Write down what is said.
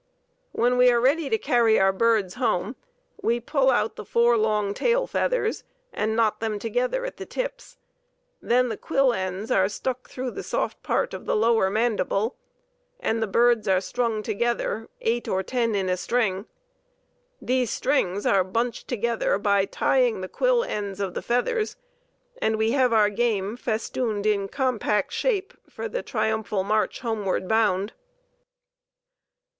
"When we are ready to carry our birds home we pull out the four long tail feathers and knot them together at the tips. Then the quill ends are stuck through the soft part of the lower mandible, and the birds are strung together, eight or ten in a string. These strings are bunched together by tying the quill ends of the feathers, and we have our game festooned in compact shape for the triumphal march homeward bound."